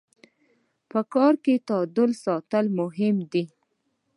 په کار کي تعادل ساتل مهم دي.